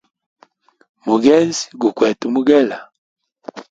Mugezi gu kwete mugela.